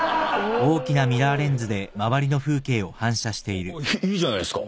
えっ？おっいいじゃないですか。